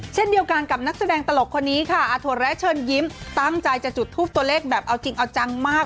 เช่นเดียวกันกับนักแสดงตลกคนนี้ค่ะอาถั่วแระเชิญยิ้มตั้งใจจะจุดทูปตัวเลขแบบเอาจริงเอาจังมาก